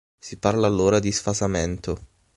Si parla allora di sfasamento.